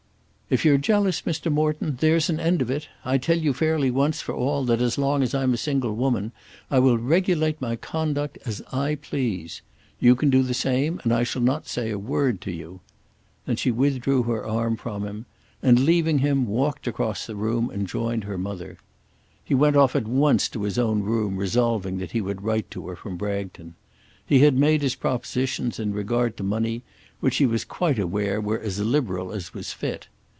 "If you're jealous, Mr. Morton, there's an end of it. I tell you fairly once for all, that as long as I'm a single woman I will regulate my conduct as I please. You can do the same, and I shall not say a word to you." Then she withdrew her arm from him, and, leaving him, walked across the room and joined her mother. He went off at once to his own room resolving that he would write to her from Bragton. He had made his propositions in regard to money which he was quite aware were as liberal as was fit.